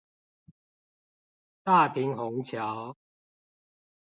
大平紅橋